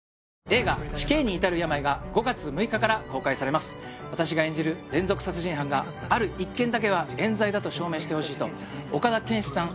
映画「死刑にいたる病」が５月６日から公開されます私が演じる連続殺人犯がある１件だけは冤罪だと証明してほしいと岡田健史さん